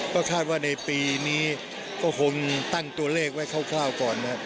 ก็คาดว่าในปีนี้ก็คงตั้งตัวเลขไว้คร่าวก่อนนะครับ